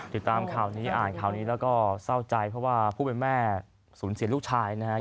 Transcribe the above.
ติดตามข่าวนี้อ่านข่าวนี้แล้วก็เศร้าใจเพราะว่าผู้เป็นแม่สูญเสียลูกชายนะครับ